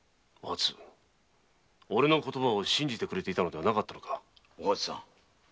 おれの言葉を信じていてくれたのではなかったのか。